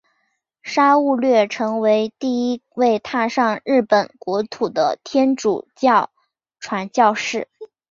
沙勿略成为第一位踏上日本国土的天主教传教士。